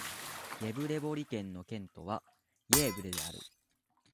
イェヴレボリ県の県都はイェーヴレである